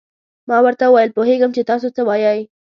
ما ورته وویل: پوهېږم چې تاسو څه وایئ.